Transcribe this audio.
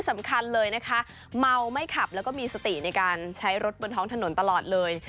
สำคัญเลยนะคะเมาไม่ขับแล้วก็มีสติในการใช้รถบนท้องถนนตลอดเลย